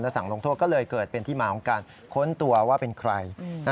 สั่งลงโทษก็เลยเกิดเป็นที่มาของการค้นตัวว่าเป็นใคร